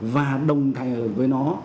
và đồng thời với nó